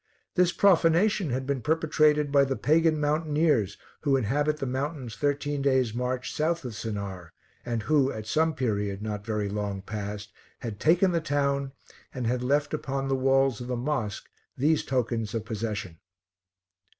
This profanation had been perpetrated by the Pagan mountaineers who inhabit the mountains thirteen days march south of Sennaar, and who, at some period, not very long past, had taken the town, and had left upon the walls of the mosque these tokens of possession.